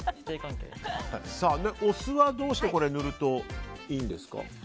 お酢はどうして塗るといいんですか？